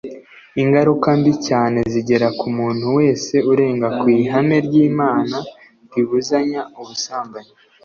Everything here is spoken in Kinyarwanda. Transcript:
Ingaruka mbi cyane zigera ku muntu wese urenga ku ihame ry imana ribuzanya ubusambanyi